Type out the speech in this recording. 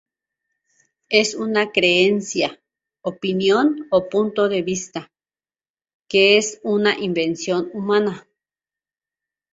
Es una creencia, opinión o punto de vista; que es una invención humana.